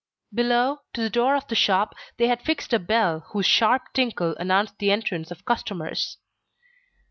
Below, to the door of the shop, they had fixed a bell whose sharp tinkle announced the entrance of customers.